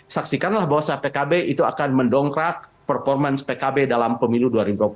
saksikanlah bahwa pkb itu akan mendongkrak performance pkb dalam pemilu dua ribu dua puluh empat